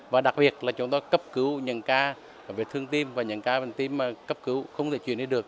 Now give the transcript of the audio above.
và đặc biệt là chúng ta cấp cứu những ca về thương tiêm và những ca bệnh tiêm cấp cứu không thể chuyển đi được